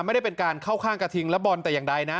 ไม่ได้เป็นการเข้าข้างกระทิงและบอลแต่อย่างใดนะ